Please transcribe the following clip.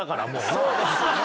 そうですね。